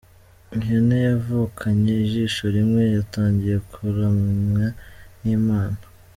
Ihene yavukanye ijisho rimwe yatangiye kuramywa nk’imana.